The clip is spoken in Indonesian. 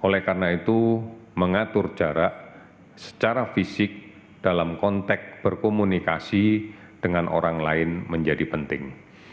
oleh karena itu mengatur jarak secara fisik dalam konteks berkomunikasi dengan orang lain menjadi penting